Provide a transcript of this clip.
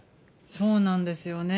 そうなんですよね。